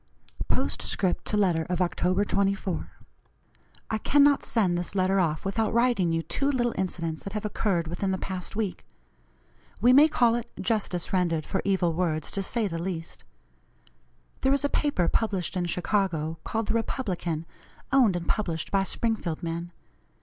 POSTSCRIPT TO LETTER OF OCT. 24. "I cannot send this letter off without writing you two little incidents that have occurred within the past week. We may call it justice rendered for evil words, to say the least. There is a paper published in Chicago called the Republican, owned and published by Springfield men.